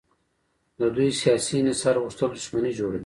د دوی سیاسي انحصار غوښتل دښمني جوړوي.